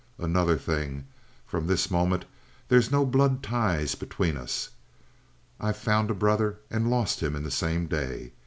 "Another thing: from this moment there's no blood tie between us. I've found a brother and lost him in the same day.